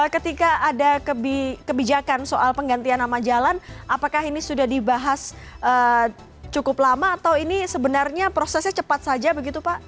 ketika ada kebijakan soal penggantian nama jalan apakah ini sudah dibahas cukup lama atau ini sebenarnya prosesnya cepat saja begitu pak